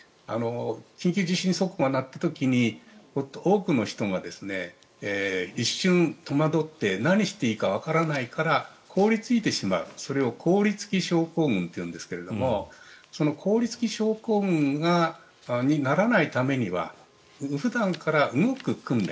緊急地震速報が鳴った時に多くの人が一瞬、戸惑って何をしていいかわからないから凍りついてしまう、それを凍りつき症候群というんですが凍りつき症候群にならないためには普段から動く訓練